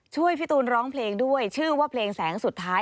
ช่วยพี่ตูนร้องเพลงด้วยชื่อว่าเพลงแสงสุดท้าย